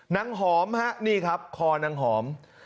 หอมฮะนี่ครับคอนางหอม